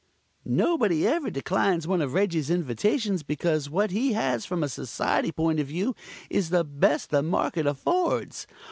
Nobody ever declines one of Reggie's invitations, because what he has from a Society point of view is the best the market affords.